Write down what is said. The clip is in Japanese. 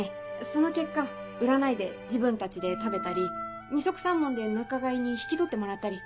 その結果売らないで自分たちで食べたり二束三文で仲買に引き取ってもらったり。